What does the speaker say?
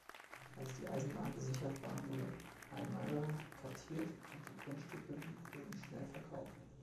Als die Eisenbahn gesichert war, wurde Almira kartiert und die Grundstücke wurden schnell verkauft.